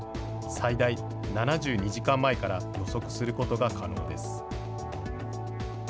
最大７２時間前から予測することが可能です。